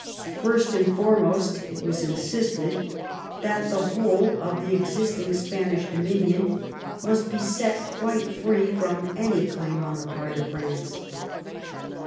First and foremost, it was insisted that the whole of the existing Spanish dominion must be set quite free from any claim on the part of France.